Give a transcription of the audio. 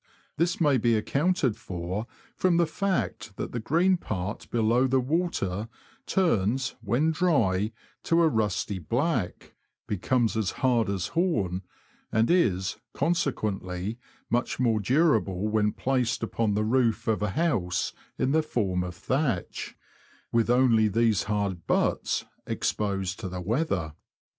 '' This may be accounted for from the fact that the green part below the water turns, when dry, to a rusty black, becomes as hard as horn, and is, consequently, much more durable when placed upon the roof of a house, in the form of thatch, with only these hard " butts " exposed to the weather.